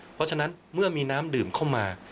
เพราะฉะนั้นเมื่อมีน้ำดื่มเข้ามา